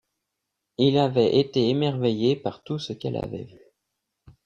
Il avait été émerveillé par tout ce qu'elle avait vu.